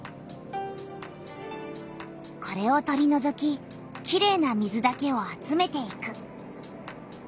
これを取りのぞききれいな水だけを集めていく。